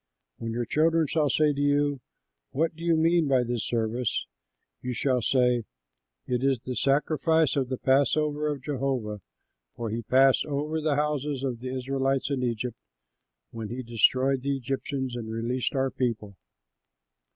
"When your children shall say to you, 'What do you mean by this service?' you shall say, 'It is the sacrifice of the passover of Jehovah, for he passed over the houses of the Israelites in Egypt, when he destroyed the Egyptians and released our people.'"